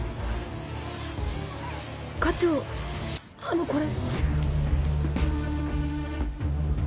課長あのこれ。